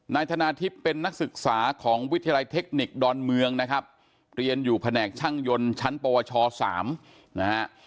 นายธนาทิพย์เป็นนักศึกษาของวิทยาลัยเทคนิคดอนเมืองนะครับเรียนอยู่แผนกช่างยนต์ชั้นปวช๓นะฮะ